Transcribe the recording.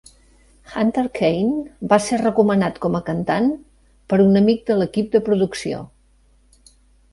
Hunter Kaine va ser recomanat com a cantant per un amic de l'equip de producció.